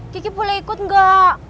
kiki boleh ikut gak